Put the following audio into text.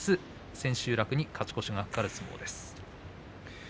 千秋楽に勝ち越しが懸かります。